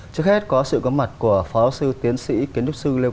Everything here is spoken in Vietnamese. trước hết có sự có mặt của phó sư tiến sĩ kiến trúc sư lê quang